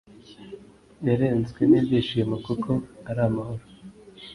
Yarenzwe n’ibyishimo kuko ari amahoro